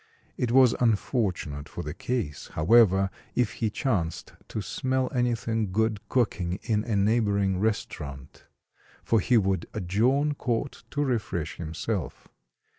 It was unfortunate for the case, however, if he chanced to smell anything good cooking in a neighboring restaurant; for he would adjourn court to refresh himself.